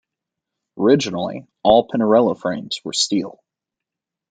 Originally, all Pinarello frames were steel.